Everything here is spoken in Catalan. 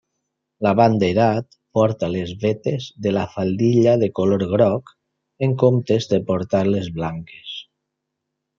L'abanderat porta les vetes de la faldilla de color groc, en comptes de portar-les blanques.